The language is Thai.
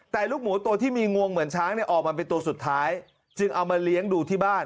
แต่ลูกหมูตัวที่มีงวงเหมือนช้างเนี่ยออกมาเป็นตัวสุดท้ายจึงเอามาเลี้ยงดูที่บ้าน